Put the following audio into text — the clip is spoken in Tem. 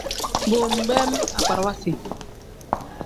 Bo nbeem agbarawa si.